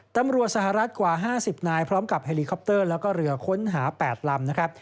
ตำรวจสหรัฐกว่า๕๐นายพร้อมกับเฮลิคอปเตอร์แล้วก็เรือค้นหา๘ลำนะครับ